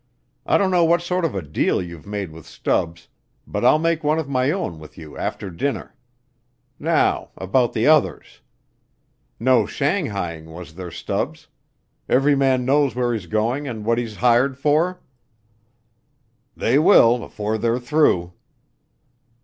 I don't know what sort of a deal you've made with Stubbs, but I'll make one of my own with you after dinner. Now about the others. No shanghaiing, was there, Stubbs? Every man knows where he's going and what he's hired for?" "They will afore they're through."